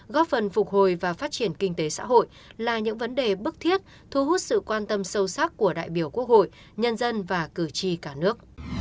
góp phần phục hồi và phát triển kinh tế xã hội là những vấn đề bức thiết thu hút sự quan tâm sâu sắc của đại biểu quốc hội nhân dân và cử tri cả nước